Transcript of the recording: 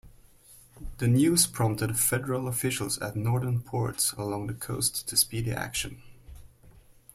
The news prompted Federal officials at northern ports along the coast to speedy action.